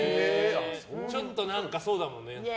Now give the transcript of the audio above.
ちょっと何か、そうだもんね。